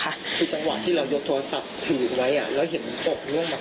คือจังหวะที่เรายกโทรศัพท์ถือไว้แล้วเห็นตกเรื่องแบบ